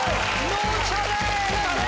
脳チャレ！